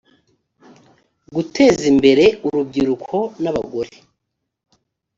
guteza imbere urubyiruko n’abagore